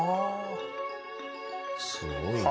すごいな。